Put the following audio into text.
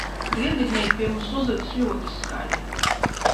Dienvidnieki pie mums uzvedas ļoti skaļi.